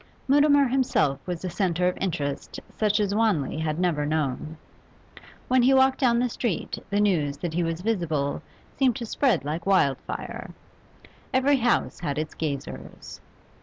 Mutimer himself was a centre of interest such as Wanley had never known. When he walked down the street the news that he was visible seemed to spread like wildfire; every house had its gazers.